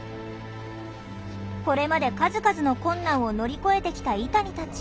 これまで数々の困難を乗り越えてきたイタニたち。